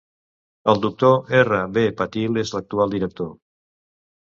El doctor R. B. Patil és l'actual director.